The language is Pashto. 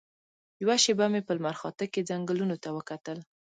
یوه شېبه مې په لمرخاته کې ځنګلونو ته وکتل.